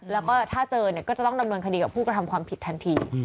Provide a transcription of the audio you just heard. แล้วก็ถ้าเจอเนี่ยก็จะต้องดำเนินคดีกับผู้กระทำความผิดทันที